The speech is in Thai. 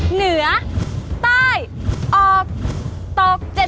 เหนือใต้ออกตก๗